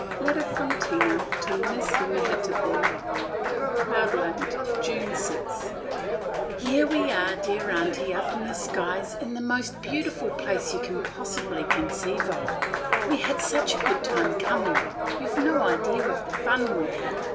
LETTER FROM TINA TO MISS MEHITABLE. "CLOUDLAND, JUNE 6. "Here we are, dear Aunty, up in the skies, in the most beautiful place that you can possibly conceive of. We had such a good time coming! you 've no idea of the fun we had.